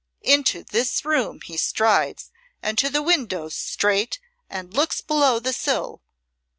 "Into this room he strides and to the window straight and looks below the sill.